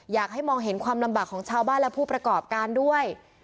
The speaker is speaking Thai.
อยากให้มองเห็นความลำบากของชาวบ้านและผู้ประกอบการด้วย